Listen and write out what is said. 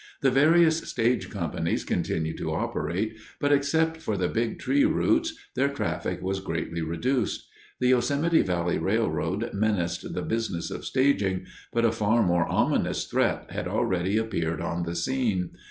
The various stage companies continued to operate, but except for the Big Tree routes, their traffic was greatly reduced. The Yosemite Valley Railroad menaced the business of staging, but a far more ominous threat had already appeared on the scene.